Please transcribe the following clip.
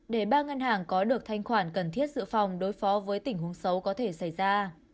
để ba ngân hàng có được thanh khoản cần thiết dự phòng đối phó với tình huống xấu có thể xảy ra